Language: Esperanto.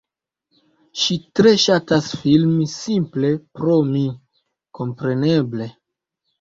Ŝi tre ŝatas filmi simple pro mi, kompreneble